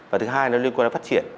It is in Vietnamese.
và thứ hai là liên quan đến phát triển